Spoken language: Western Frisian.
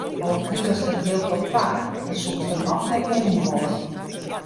Al krigest der jild op ta, dan soest der noch net wenje wolle.